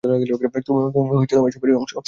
তুমিও এসবের অংশ।